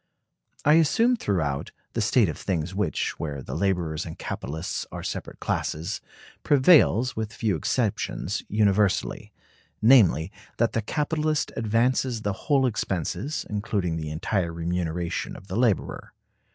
I assume, throughout, the state of things which, where the laborers and capitalists are separate classes, prevails, with few exceptions, universally; namely, that the capitalist advances the whole expenses, including the entire remuneration of the laborer.